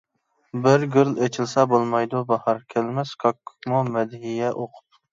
بىر گۈل ئېچىلسا بولمايدۇ باھار، كەلمەس كاككۇكمۇ مەدھىيە ئوقۇپ.